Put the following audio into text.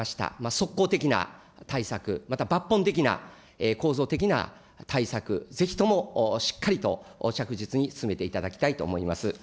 即効的な対策、抜本的な構造的な対策、ぜひともしっかりと着実に進めていただきたいと思います。